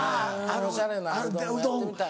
おしゃれなうどんやってみたい。